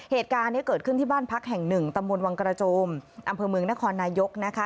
เหตุการณ์นี้เกิดขึ้นที่บ้านพักแห่งหนึ่งตำบลวังกระโจมอำเภอเมืองนครนายกนะคะ